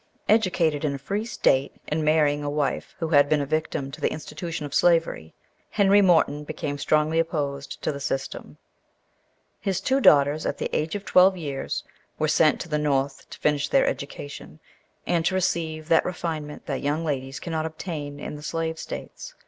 EDUCATED in a free state, and marrying a wife who had been a victim to the institution of slavery, Henry Morton became strongly opposed to the system. His two daughters, at the age of twelve years, were sent to the North to finish their education, and to receive that refinement that young ladies cannot obtain in the Slave States.